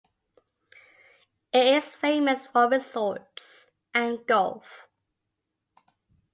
It is famous for resorts and golf.